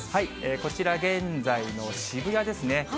こちら、現在の渋谷ですね。